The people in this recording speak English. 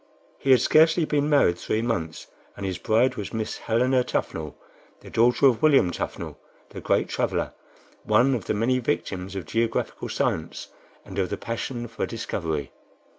He had scarcely been married three months, and his bride was Miss Helena Tuffnell, the daughter of William Tuffnell, the great traveler, one of the many victims of geographical science and of the passion for discovery.